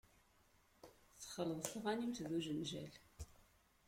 Texleḍ tɣanimt d ujenjal.